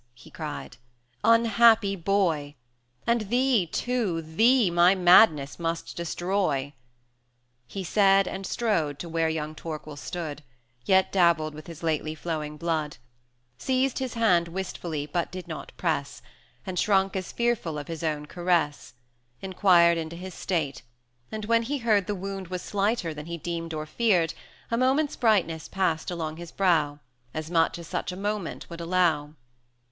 he cried, "unhappy boy! And thee, too, thee my madness must destroy!" He said, and strode to where young Torquil stood, Yet dabbled with his lately flowing blood; Seized his hand wistfully, but did not press, And shrunk as fearful of his own caress; 150 Enquired into his state: and when he heard The wound was slighter than he deemed or feared, A moment's brightness passed along his brow, As much as such a moment would allow.